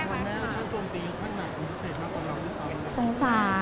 เก็บได้เกือบจะพันไล่แล้ว